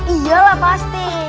iya lah pasti